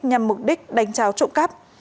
nhằm mục đích đánh tráo trộm cắp